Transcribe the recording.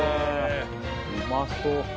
うまそう。